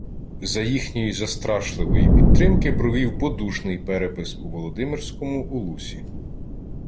За їхньої застрашливої підтримки провів подушний перепис у Володимирському улусі